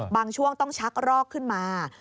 ช่วงต้องชักรอกขึ้นมา